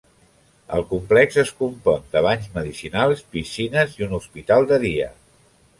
El complex es compon de banys medicinals, piscines i un hospital de dia.